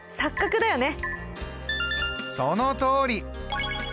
そのとおり。